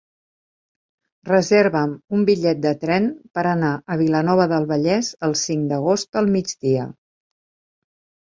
Reserva'm un bitllet de tren per anar a Vilanova del Vallès el cinc d'agost al migdia.